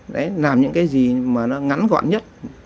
đấy làm những cái gì mà nó ngắn gọn nhất